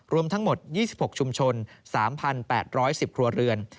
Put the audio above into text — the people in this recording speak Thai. รวมทั้งหมด๒๖ชุมชน๓๘๑๐ครัวเรือน